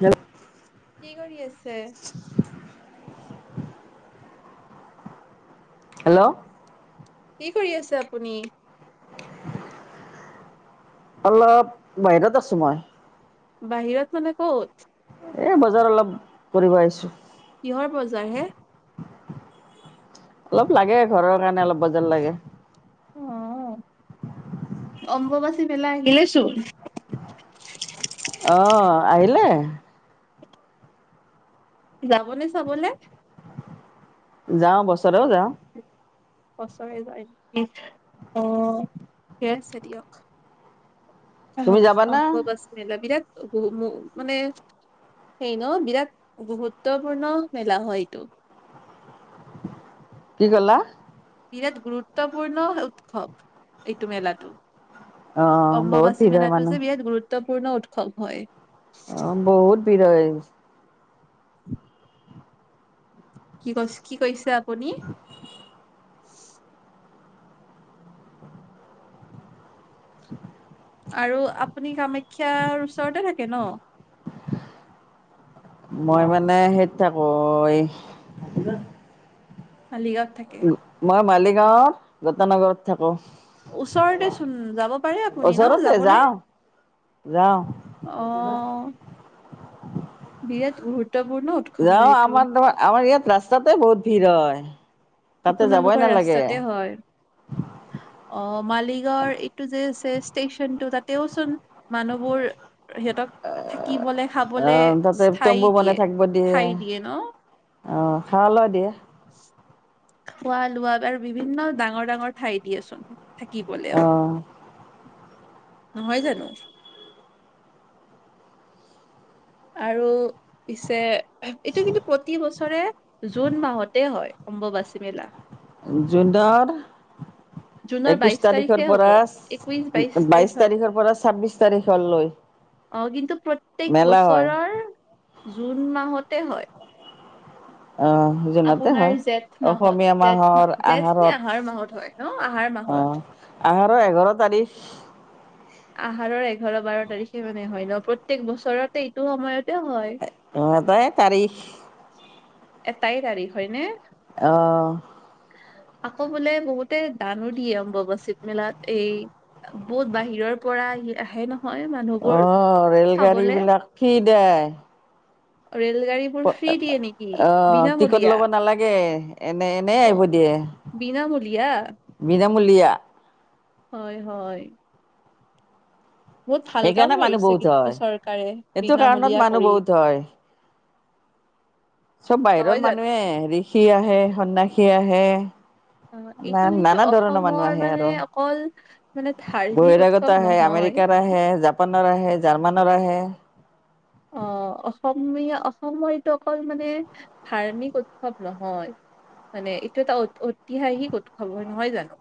Hello, কি কৰি আছে? আছে? হেল্ল', কি কৰি আছে আপুনি? অলপ বাহিৰত আছো মই। বাহিৰত মানে ক'ত? এ বজাৰ অলপ কৰিব আহিছো। কিহৰ বজাৰ হে? অলপ লাগে ঘৰৰ কাৰণে অলপ বজাৰ লাগে। অ অম্বুবাচী মেলা আহিলেই চোন। অ আহিলে। যাবনে চাবলে? যাওঁ। বছৰেও যাওঁ। বছৰে যায় নেকি অ ঠিকে আছে দিয়ক। আহ তুমি যাবানা অম্বুবাচী মেলা বিৰাট। মানে সেই ন বিৰাট গুৰুত্বপূৰ্ণ মেলা হয় এইটো। কি কলা? বিৰাট গুৰুত্বপূৰ্ণ উৎসৱ এইটো মেলাটো। অ, বহুত ভিৰ হয় মানুহ। ত্বপূৰ্ণ উৎসৱ হয়। অ, বহুত ভিৰ হয়। কি কৈছ কি কৈছে? আপুনি। আৰু আপুনি কামাখ্যাৰ ওচৰতে থাকে ন। মই মানে সেইত থাকো এই। মালিগাঁৱত থাকে? গাঁৱত গতানগৰত থাকো। ওচৰতে চোন যাব পাৰে আপুনি ন। ওচৰতে যাবনে? যাওঁ যাওঁ অ বিৰাট গুৰু যাও আমাৰ নহয় আমাৰ ইয়াত ৰাস্তাতে বহুত ভিৰ হয়। উ। আপোনালোকৰ ৰাস্তাতে হয় আহ। মালিগাঁওৰ এইটো যে আছে ষ্টেচনটো তাতেওচোন মানুহবোৰ। সিহঁতক থাকিবলে খাবলে আহ তাতে তম্বু ঠাই দিয়ে। ঠাই দিয়ে ন? অ খাৱা লোৱা দিয়ে। খোৱা লোৱা বাৰু বিভিন্ন ডাঙৰ ডাঙৰ ঠাই দিয়েচোন। থাকিবলেও। আহ নহয় জানো? আৰু। পিছে এইটো কিন্তু প্ৰতি বছৰে জুন মাহতে হয়। অম্বুবাচী মেলা। জুনৰ জুনৰ একৈশ বাইশ তাৰিখৰ তাৰিখে হ'ব পৰা, একৈশ বাইশ তাৰিখে হ'ব তাৰিখৰ পৰা ছাব্বিশ তাৰিখলৈ। অ কিন্তু প্ৰত্যেক মেলা হয় বছৰৰ জুন মাহত। তে হয়। আহ জোনতে আপোনাৰ হয় জেঠ মাহত অসমীয়া জেঠ মাহৰ মাহ জেঠ নে আহাৰত আহাৰ মাহত হয় ন আহাৰ মাহত আহ আহাৰৰ এঘাৰ তাৰিখ । আহাৰৰ এঘাৰ বাৰ তাৰিখে মানে হয় ন প্ৰত্যেক বছৰতে এইটো সময়ত উ এটাই তাৰিখ । এটাই তাৰিখ হয় নে? অহ আকৌ বোলে বহুতে দানো দিয়ে অম্বৱাচিত মেলাত এই বহুত বাহিৰৰ পৰা আহে ন অহ ৰেল গাড়ী বিলাক ফ্ৰী দে । ৰেল গাড়ীবোৰ ফ্ৰী দিয়ে নেকি অ টিকট বিনামূলীয়া লব নালাগে, এনে এনে অ আহিব বিনামূলীয়া দিয়ে মূলীয়া । হয় হয় । বহুত ভাল কাম সেইকাৰণে মানুহ কৰিছে বহুত কিন্তু হয় চৰকাৰে এইটো কাৰণত বিনামূলীয়া মানুহ কৰি বহুত হয়। চব বাহিৰৰ নহয় জানো মানুহে ঋষি আহে সন্ন্যাসী সি আহে। অ ন এইটো কিন্তু নানা ধৰণৰ মানুহ অসমৰ আহে মানে আৰু অকল মানে ধাৰ্মিক উৎসৱ বহিৰাগত আহে নহয় আমেৰিকাৰ আহে জাপানৰ আহে জাৰ্মানৰ আহে অ অসমীয়া অসমৰ এইটো অকল মানে ধাৰ্মিক উৎসৱ নহয়, মানে এইটো এটা ঐতিহাসিক উৎসৱ হয়, নহয় জানো?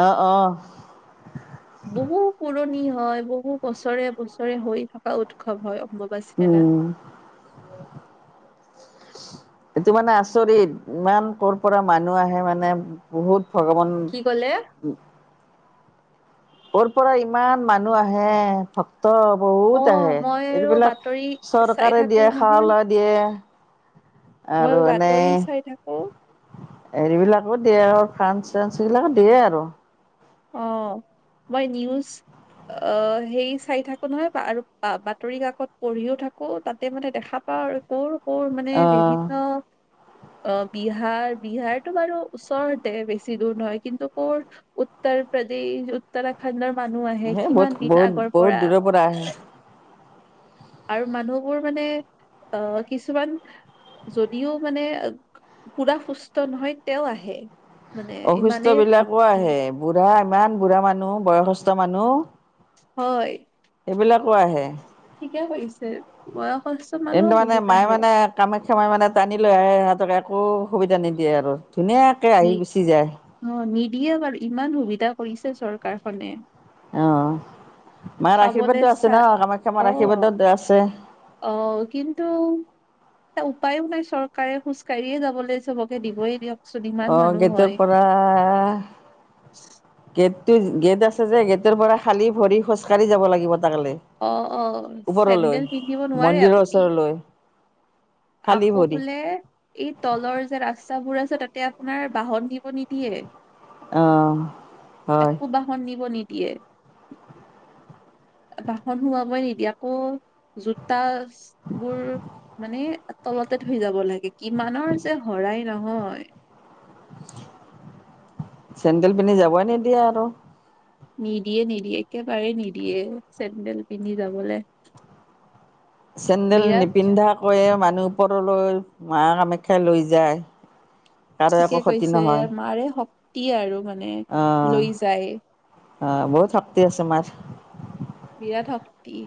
অ অ বহু পুৰণি। হয় বহু বছৰে বছৰে হৈ থকা উৎসৱ হয় সম্ভৱ । উম । এইটো মানে আচৰিত ইমান কৰ' পৰা মানুহ আহে মানে বহুত ভগৱান কি কলে উ কৰ পৰা ইমান মানুহ আহে ভ ত অ বহুত আহে মই আৰু এইবিলাক বাতৰি চাই চৰকাৰে থাকো দিয়ে খাৱ নহয় লা দিয়ে মই আৰু বাতৰি এনে চাই থাকো। হেৰিবিলাকো দিয়ে আৰু ফাঞ্চ- চাঞ্চ এইবিলাকো দিয়ে আৰু। অ' মই নিউজ অ 'হেৰি চাই থাকো নহয় আৰু বাতৰি কাকত পঢ়িও থাকো তাতে মানে দেখা পাও আৰু কৰ মোৰ মানে অহ বিভিন্ন অ' বিহাৰ বিহাৰতটো বাৰু ওচৰতে বেছি দূৰ নহয় কিন্তু ক'ৰ উত্তৰ প্ৰদেশ উত্তৰাখণ্ডৰ মানুহ আহে সেই কিমান বহুত দিন বহুত আগৰ বহুত দূৰৰ পৰা আহে। আৰু মানুহবোৰ মানে অ 'কিছুমান যদিও মানে পুৰা সুস্থ নহয় তেঁও আহে। মানে অসুস্থ ইমানেই বিলাকো ভক্তি আহে বুঢ়া আম ইমান বুঢ়া মানুহ বয়সস্থ মানুহ। হয়। সেইবিলাকো আহে। ঠিকে কৰিছ বয়সস্থ মানুহো বহুত আহে। সময় মানে টানি লৈ আহে সিহঁতক একো সুবিধা নিদিয়ে আৰু ধুনীয়াকে আহি গুচি যায়। দিয়ে বাৰু ইমান সুবিধা কৰিছে চৰকাৰখনে। অ' মাৰ খাবলে আশীৰ্বাদটো স্থা আছে না কামাখ্যা অ মাৰ আশীৰ্বাদত আছে। এটিয়া উপায়ো নাই চৰকাৰে খোজ কাঢ়িয়েই যাবলৈ চবকে দিবয়ে দিয়কচো অ' গেটৰ পৰা গেট। এইটো গেট আছে যে গেটৰ পৰা খালি ভৰি খোজকাঢ়ি যাব লাগিব তাকলে অ অ, ওপৰলৈ চেণ্ডেল পিন্ধিব নোৱাৰে মন্দিৰৰ আপুনি ওচৰলৈ খালী ।আকৌ ভৰি বোলে এই তলৰ যে ৰাস্তাবোৰ আছে তাতে আপোনাৰ বাহন নিব নিদিয়ে। অ ' হয়। একো বাহন [unintelligible] বাহন সোমাবই নিদিয়ে আকৌ জোতা বোৰ মানে তলতে থৈ যাব লাগে। কিমানৰ যে শৰাই নহয়। চেণ্ডেল পিন্ধি যাবই নিদিয়ে আৰু। নিদিয়ে -নিদিয়ে একেবাৰেই নিদিয়ে, চেণ্ডেল পিন্ধি যাবলে। চেন্দেল বিৰাট নিপিন্ধাকৈয়ে মানুহ ওপৰলৈ মা কামাখ্যা লৈ যায়। কাৰো একো ঠিকে ক্ষতি কৈছে নহয় মাৰে শক্তি শক্তি আৰু মানে মানে লৈ যায়। অহ বহুত শক্তি আছে মাৰ বিৰাট শক্তি।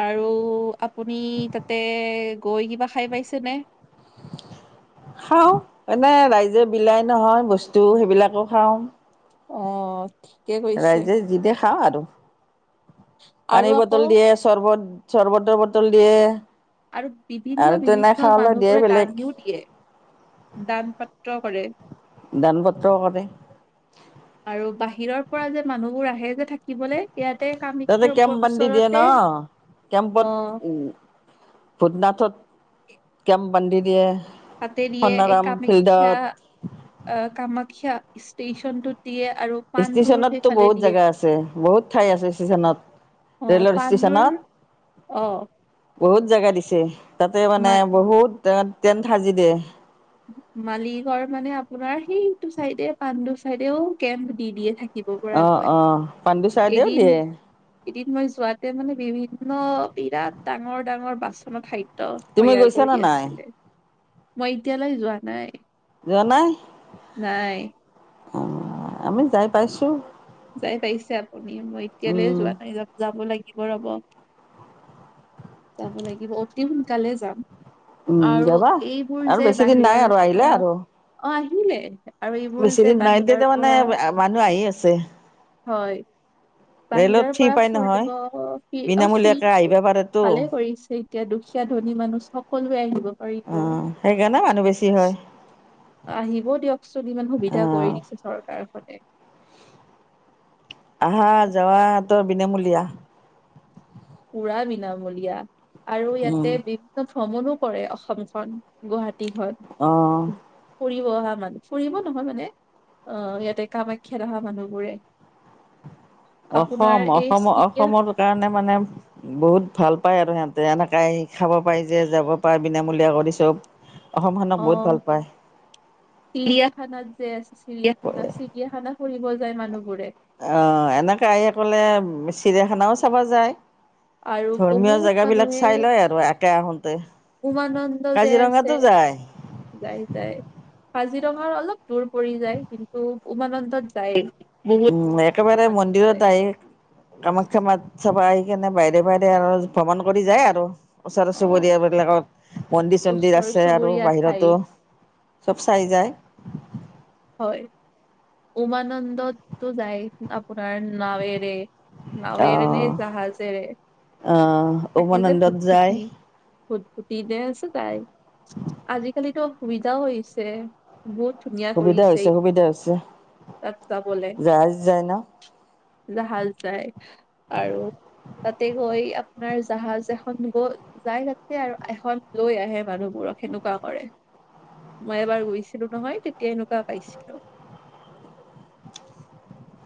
আৰু আপুনি তাতে গৈ কিবা খাই পাইছেনে? খাওঁ, এনে ৰাইজে বিলাই নহয় বস্তু সেইবিলাকো খাওঁ। অ ঠিকে কৈছে ৰাইজে যি দে খাওঁ আৰু আৰু পানীৰ আকৌ বটল দিয়ে, চৰ্বত চৰ্বতৰ বটল দিয়ে আৰু আৰু তেনে বিভিন্ন-বিভিন্ন খাৱলৈ দিয়ে মানুহবোৰে বেলেগ দানিও দিয়ে দান পাত্ৰ কৰে। দান পত্ৰ কৰে আৰু বাহিৰৰ পৰা যে মানুহবোৰ আহে যে থাক তাতে কেম্প বান্ধি দিয়ে ওচৰতে ন, কেম্পত অ' উ ভোটনাথত কেম্প বান্ধি দিয়ে তাতে দিয়ে এই সনাৰাম ফিল্ডত কামেখ্যা-আ-কামাখ্যা ষ্টেচনটোত দিয়ে আৰু পাণ্ডুৰ ষ্টেচনতটো সেইফালে বহুত দিয়ে জেগা আছে, বহুত ঠাই আছে অ ষ্টেচনত ৰেলৰ পাণ্ডুৰ অ ষ্টেচনত বহুত জেগা দিছে তাতে মা মানে বহুত টেণ্ট সাজি দিয়ে। মালিগৰ মানে আপোনাৰ সেইটো চাইডে, পাণ্ডু চাইডেও কেম্প দি-দিয়ে থাকে। অ, অ, পাণ্ডু চাইদেউ দিয়ে এদিন মই যোৱাতে মানে বিভিন্ন বিৰাট ডাঙৰ-ডাঙৰ বাচন ঠাইত তুমি ত-তৈয়াৰ গৈছানে কৰি নাই আছিলে। মই এতিয়ালৈ যোৱা নাই। যোৱা নাই? নাই অ আমি যাই পাইছোঁ। যাই পাইছে আপুনি মই এতিয়ালে যোৱা নাই, য-যাব লাগিব ৰব, যাব লাগিব অতি সোনকালে যাম। উম আৰু যাবা এইবোৰ আৰু যে বেছি দিন নাই বাহিৰৰ আৰু আহিলে পৰা আৰু অ- কি লৈ আহিছা বেছি দিন নাই, এতিয়াটো মানে মানুহ আহি আছে হয়। ৰে'লত বাহিৰৰ ফ্ৰী পৰা পাই নহয় ফুৰিব বিনামূলীয়াকৈ [unintelligible] আহিব পাৰেতো ভালে কৰিছে এতিয়া দুখীয়া ধনী মানুহ সকলোৱে আহিব পাৰিব, অঁ সেইকাৰণে মানুহ বেছি হয় আহিব দিয়কচোন ইমান সুবিধা অঁ কৰি দিছে চৰকাৰে হতে আহা যোৱাটো বিনামূলীয়া পোৰা বিনামূলীয়া আৰু ইয়াতে বিভিন্ন ভ্ৰমণো কৰে অসমখন গুৱাহাটী তী অঁ ঘত ফুৰিব অহা মানুহ ফুৰিব নহয় মানে আহ ইয়াতে কামাখ্যাত অহা মানুহবোৰে আপোনাৰ অসম এই অসমৰ চিৰিয়া অসমৰ কাৰণে মানে বহুত ভাল পায় আৰু সিহঁতে এনেকাই খাব পাৰি যে যাব পাৰে বিনামূলীয়া কৰি চব অসমখনক অ বহুত ভাল পায় চিৰিয়াখানাত যে আছে চিৰিয়াখানা চিৰিয়াখানা ফুৰিব যায় মানুহবোৰে। অহ এনেকে আহে কলে চিৰিয়াখানাও চাব যায়। আৰু ধৰ্মীয় বহুত জেগাবিলাক চাই মানুহে লয় আৰু একে আহোঁতে উমানন্দ যে আছে, কাজিৰঙাতো যায় যাই-যাই কাজি কাজিৰঙা অলপ দূৰ পৰি যায় কিন্তু উমানন্দত যায়। বহুত উম দূৰ একেবাৰে মানুহে যায় মন্দিৰত আহে কামাখ্যা মাক চাব আহে। সেইকাৰনে বাইৰে বাইদৰে আৰু ভ্ৰমণ কৰি যায় আৰু। ওচৰ অ চুবুৰীয়াবিলাকত মন্দিৰ-চন্দিৰ ওচৰ আছে আৰু চুবুৰীয়া ঠাই বাহিৰতো চব চাই যায়। হয় উমানন্দতো যায় পোনাৰ নাৱেৰে, নাৱেৰে নে আহ জাহাজে, আহ থাকে যে উমানন্দত যায় ফূৰ্তিফুটি। ফুৰ্তিতে আছে তাই। আজিকালিটো সুবিধাও হৈছে, বহুত ধুনীয়া। সুবিধা হৈছে, কৰিছে সুবিধা হৈছে। তাত যাবলে যায-যায় ন? জাহাজ যায় আৰু তাতে গৈ আপোনাৰ জাহাজ এখন গৈ যাই থাকছে আৰু এখন লৈ আহে মানুহবোৰক সেনেকুৱা কৰে মই এবাৰ গৈছিলো নহয়। তেনেকুৱা পাইছিলো।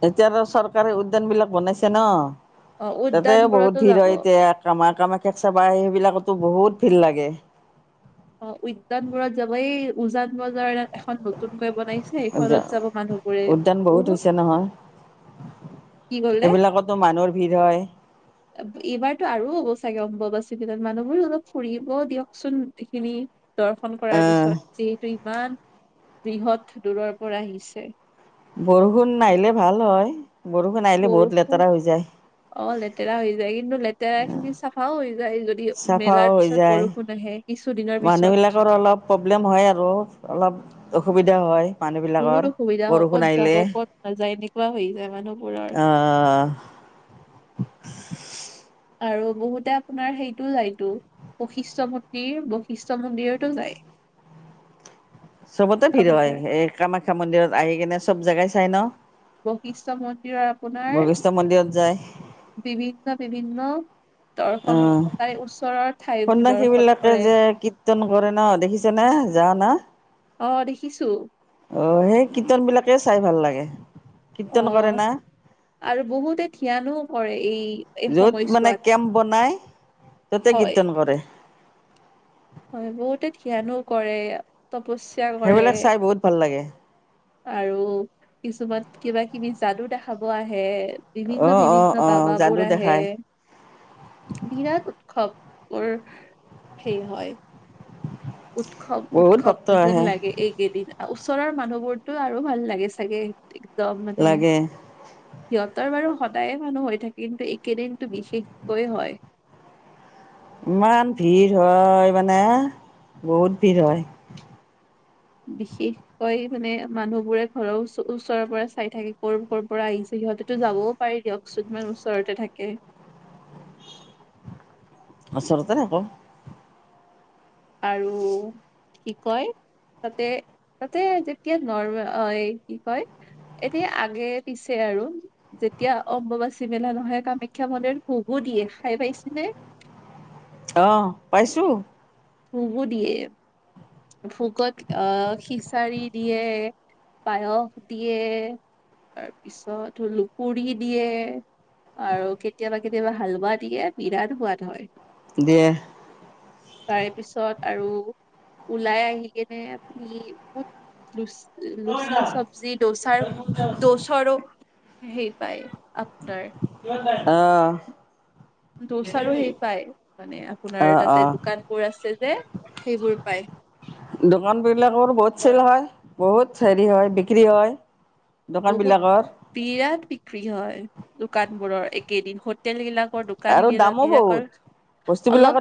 এতিয়া আৰু চৰকাৰে উদ্যান বিলাক বনাইছে ন? অ তাতে উদ্যানবোৰতো বহুত ভিৰ যাব হয় এতিয়া কামা কামাখ্যা চাবা সেইবিলাকত টো বহুত ভিৰ লাগে। অ উদ্যানবোৰত যাব এই উজান বজাৰে এখন নতুনকৈ বনাইছে এইখনত যাব মানুহবোৰে উদ্যান বহুত হৈছে নহয় কি কলে? সেইবিলাকতো মানুহৰ ভিৰ হয় এইবাৰতো আৰু হব চাগে বাচিব মানুহবো অলপ ফুৰিব দিয়কচোন এইখিনি। দৰ্শন কৰাৰ আহ পিছত। যিহেতু ইমান বৃহৎ দূৰৰ পৰা আহিছে। বৰষুণ নাহিলে ভাল হয়। বৰষুণ আহিলে বহুত বৰষুণ, লেতেৰা হৈ যায়। অ লেতেৰা হৈ যায় কিন্তু লেতেৰা খিনি চাফাও হৈ যায়। যদি চাফাও মেলাৰ হৈ পিছত যায়, বৰষুণ আহে কিছুদিনৰ পিছত মানুহবিলাকৰ অলপ প্ৰব্লেম হয় আৰু অলপ অসুবিধা হয়। বহুত মানুহবিলাকৰ অসুবিধা হয়, বৰষুণ ক'ত যাব আহিলে। ক'ত নাযায় এনেকুৱা হৈ যায় মানুহবোৰৰ। আহ আৰু বহুতে আপোনাৰ সেইটো যাইটো বৈশিষ্ট মন্দিৰ বৈশিষ্ট মন্দিৰতো যায়। চবতে ভিৰ আপোনাৰ হয় এই কামাখ্যা মন্দিৰত আহি কিনে চব জাগাই চাই ন? বৈশিষ্ট মন্দিৰৰ আপোনাৰ বশিষ্ঠ মন্দিৰত যায়, বিভিন্ন-বিভিন্ন অ ঠাইবোৰ সৈন্যাখী দৰ্শন বিলাকে কৰে যে কীৰ্তন কৰে ন দেখিছে নে যাৱ না। অ দেখিছোঁ। অ সেই কীৰ্তন বিলাকে চাই ভাল লাগে। কীৰ্তন অ কৰে না। আৰু বহুতে ধ্যানো কৰে এই এই য'ত মানে সময়চোৱাত কেম্প বনাই ত'তে হয়। কীৰ্তন কৰে হয় বহুতে ধ্যানো কৰে ইয়াত। সেইবিলাক চাই বহুত ভাল লাগে। আৰু কিছুমান কিবা কিবি যাদু দেখাব আহে। বিভিন্ন অঁ অঁ বিভিন্ন অঁ বাবা যাদু বোৰ আহে দেখাই বিৰাট উৎসৱ। মোৰ হেৰি হয়। উৎসৱ বহুত উৎসৱ ভক্ত যেন আহে লাগে এইকেইদিন। ওচৰৰ মানুহ বোৰতো আৰু ভাল লাগে চাগে। একদম মানে। লাগে সিহঁতৰ বাৰু সদায়ে মানুহ হৈ থাকে কিন্তু এইকেইদিনটো বিশেষকৈ হয়। ইমান ভিৰ হয় মানে বহুত ভিৰ হয়। বিশেষকৈ মানে মানুহবোৰে ঘৰৰ ওচৰ ওচৰৰ পৰা চাই থাকে কৰ কৰ পৰা আহিছে সিহঁতেতো যাবও পাৰি দিয়কচোন ইমান ওচৰতে থাকে। ওচৰতে আকৌ। আৰু কি কয় তাতে তাতে যেতিয়া নৰ্ম কি কয় এতিয়া আগে পিছে আৰু যেতিয়া অম্বুবাচী মেলা নহয় কামাখ্যা মন্দিৰ ভোগো দিয়ে খাই পাইছেনে? অহ পাইছোঁ। ভুগু দিয়ে ভোগত আহ খিচাৰি দিয়ে, পায়স দিয়ে, তাৰপিছত পুৰি দিয়ে আৰু কেতিয়াবা কেতিয়াবা হালোৱা দিয়ে বিৰাত সোৱাদ হয়। দিয়ে তাৰে পিছত আৰু ওলাই আহি কিনে। লুচি চব্জি দোচাৰ দোচৰো সেই পাই অহ দোচাৰো সেই পায় মানে আপোনাৰ অঁ তাতে অঁ দোকানবোৰ আছে যে সেইবোৰ পায়। চেলু হয় বহুত হেৰি হয় বিক্ৰী হয়। বহুত দোকানবিলাকৰ বিৰাট বিক্ৰী হয়। দোকান বোৰৰ এইকেদিন আৰু হোটেল দামো বহুত বিলাক। [inaudible] বস্তুবিলাক